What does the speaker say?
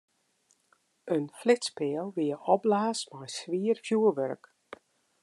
In flitspeal wie opblaasd mei swier fjurwurk.